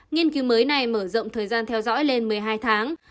nghiên cứu mới này mở rộng thời gian theo dõi lên một mươi hai tháng